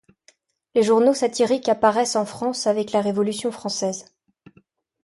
Les journaux satiriques apparaissent en France avec la Révolution française.